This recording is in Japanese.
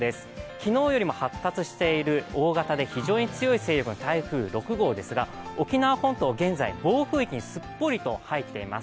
昨日よりも発達している大型で非常に強い勢力の台風６号ですが沖縄本島、現在、暴風域にすっぽりと入っています。